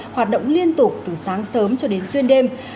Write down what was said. hoạt động liên tục từ sáng sớm cho đến xuyên đêm